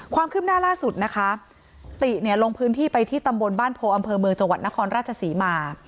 ความคืบหน้าล่าสุดนะคะติเนี่ยลงพื้นที่ไปที่ตำบลบ้านโพอำเภอเมืองจังหวัดนครราชศรีมา